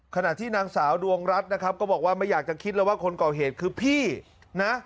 ขณะที่นางสาวดวงรัฐนะครับก็บอกว่าไม่อยากจะคิดแล้วว่าคนก่อเหตุคือพี่นะ